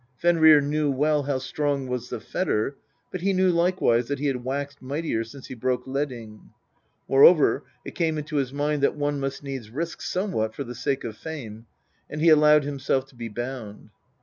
Fenrir knew well how strong was the fetter, but he knew likewise that he had waxed mightier since he broke Laeding. Moreover, it came into his mind that one must needs risk somewhat for the sake of fame, and he allowed himself to be bound.